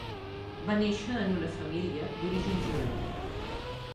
Va néixer en una família d'origen jueu.